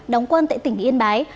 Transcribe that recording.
đóng quân tại tỉnh yên bái